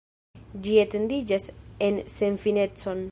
Ĝi etendiĝas en senfinecon.